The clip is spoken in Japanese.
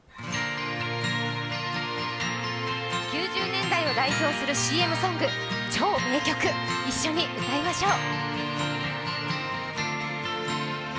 ９０年代を代表するＣＭソング、超名曲一緒に歌いましょう。